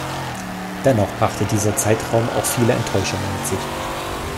Dennoch brachte dieser Zeitraum auch viele Enttäuschungen mit sich.